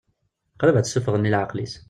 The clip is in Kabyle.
Qrib ad tt-ssufɣen i leɛqel-is.